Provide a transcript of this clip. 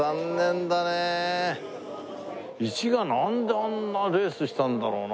１がなんであんなレースしたんだろうな